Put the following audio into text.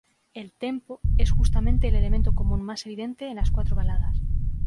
El "tempo" es justamente el elemento común más evidente en las cuatro baladas.